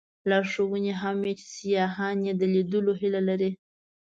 لارښوونې هم وې چې سیاحان یې د لیدلو هیله لري.